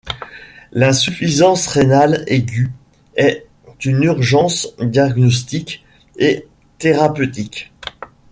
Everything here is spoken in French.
L'insuffisance rénale aiguë est une urgence diagnostique et thérapeutique.